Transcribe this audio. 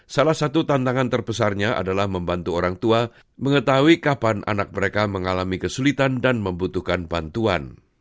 salah satu tantangan terbesarnya adalah membantu orang tua mengetahui kapan anak mereka mengalami kesulitan dan membutuhkan bantuan